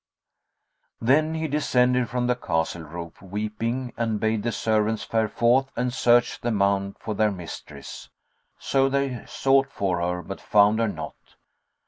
'" Then he descended from the castle roof, weeping, and bade the servants fare forth and search the mount for their mistress; so they sought for her, but found her not.